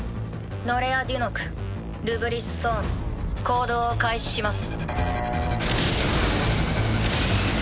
ノレア・デュノクルブリス・ソーン行動を開始します。